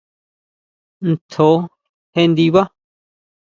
¿Ntjo ndibá?